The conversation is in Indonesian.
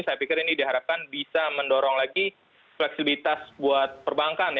saya pikir ini diharapkan bisa mendorong lagi fleksibilitas buat perbankan